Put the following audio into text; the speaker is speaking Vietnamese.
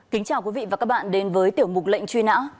kính chào quý vị và các bạn đến với tiểu mục lệnh truy nã